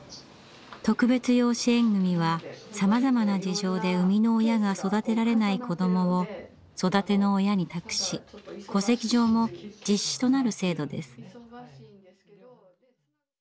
特別養子縁組はさまざまな事情で生みの親が育てられない子どもを育ての親に託し戸籍上も実子となる制度です。